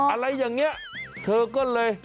อะไรอย่างนี้เธอก็เลย